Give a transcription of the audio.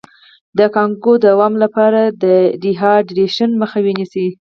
د کانګو د دوام لپاره د ډیهایډریشن مخه ونیسئ